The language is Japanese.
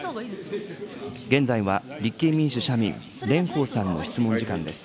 現在は立憲民主・社民、蓮舫さんの質問時間です。